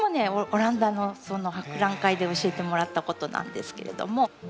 オランダのその博覧会で教えてもらったことなんですけれども。